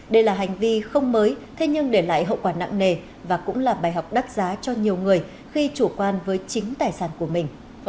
đây là hành vi không mới thế nhưng để lại hậu quả nặng nề và cũng là bài học đắt giá cho nhiều người khi chủ quan với chính tài sản của mình